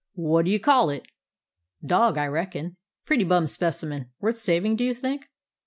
"What d* you call it?" "Dog, I reckon." "Pretty bum specimen. Worth saving, do you think?"